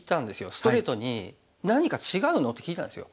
ストレートに「何か違うの？」って聞いたんですよ。